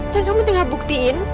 dan kamu tinggal buktiin